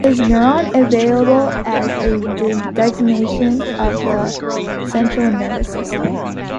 Is neuron available as a designation of the central nervous system?